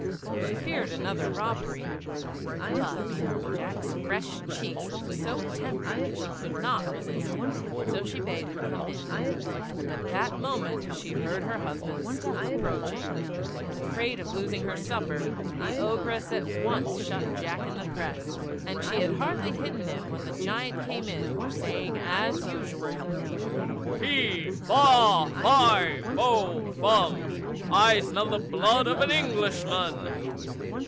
She feared another robbery; but Jack's fresh cheeks looked so tempting that she could not resist him, and so she bade him come in. But at that moment she heard her husband's step approaching. Afraid of losing her supper, the Ogress at once shut Jack in the press; and she had hardly hidden him when the giant came in, saying as usual, "Fee, fa, fie, fo, fum, I smell the blood of an Englishman."